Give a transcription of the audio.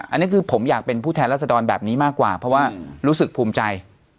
อันนี้คือผมอยากเป็นผู้แทนรัศดรแบบนี้มากกว่าเพราะว่ารู้สึกภูมิใจ